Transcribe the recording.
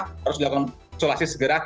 harus dilakukan isolasi segera